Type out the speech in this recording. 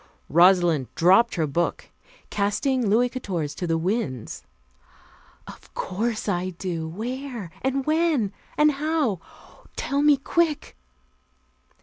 Rosalind dropped her book, casting Louis XIV to the winds. "Of course I do. Where? And when? And how? Tell me quick."